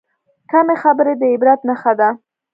کمې خبرې، د عبرت نښه ده.